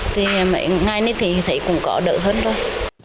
thì mấy ngày thì thấy cũng có đỡ hơn thôi